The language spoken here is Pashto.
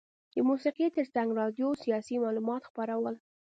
د موسیقي ترڅنګ راډیو سیاسي معلومات خپرول.